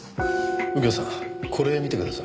右京さんこれ見てください。